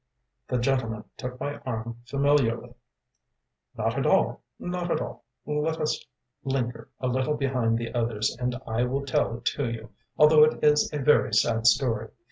‚ÄĚ The gentleman took my arm familiarly. “Not at all, not at all. Let us linger a little behind the others, and I will tell it you, although it is a very sad story.